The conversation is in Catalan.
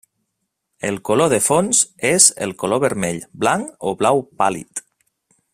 El color de fons és el color vermell, blanc o blau pàl·lid.